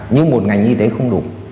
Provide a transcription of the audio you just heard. như một ngành y tế không đủ